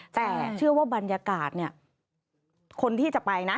แต่เชื่อว่าบรรยากาศเนี่ยคนที่จะไปนะ